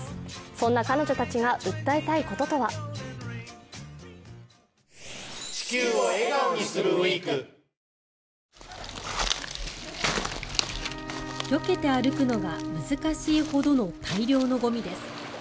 そんな彼女たちが訴えたいこととはよけて歩くのが難しいほどの大量のゴミです。